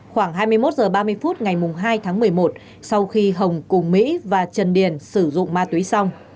khoảng hai mươi một h ba mươi phút ngày hai tháng một mươi một sau khi hồng cùng mỹ và trần điền sử dụng ma túy xong